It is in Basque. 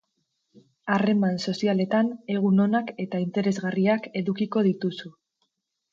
Harreman sozialetan egun onak eta interesgarriak edukiko dituzu.